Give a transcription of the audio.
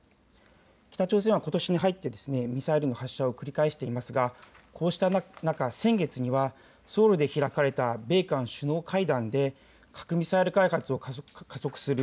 北朝鮮はことしに入ってミサイルの発射を繰り返していますがこうした中、先月にはソウルで開かれた米韓首脳会談で核・ミサイル開発を加速する